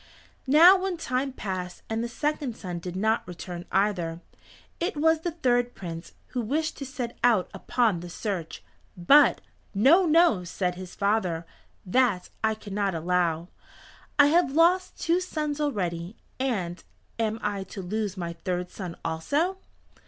Now when time passed and the second son did not return either, it was the third Prince who wished to set out upon the search. But, "No, no," said his father, "that I cannot allow. I have lost two sons already, and am I to lose my third son also?"